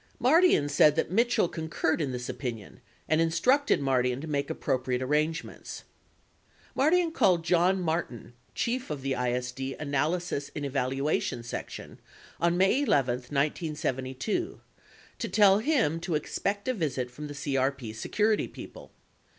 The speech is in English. Mardian said that Mitchell con curred in this opinion and instructed Mardian to make the appropriate arrangements.® Mardian called John Martin, Chief of the ISD Analysis and Eval uation Section, on May 11, 1972, to tell him to expect a visit from the CRP security people.